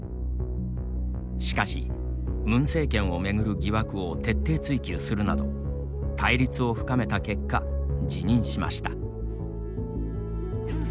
しかし、ムン政権を巡る疑惑を徹底追及するなど対立を深めた結果、辞任しました。